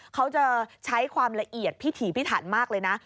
เขาจะใช้ความละเอียดพิถีพิถันมากเลยนะ